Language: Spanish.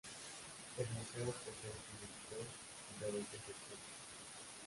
El museo posee en su multitud, diferentes secciones.